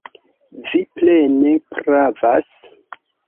Vi plene pravas.